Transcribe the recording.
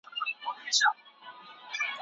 خپل لپټاپ په پوره احتیاط سره وکاروه.